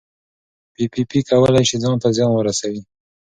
پي پي پي کولی شي ځان ته زیان ورسوي.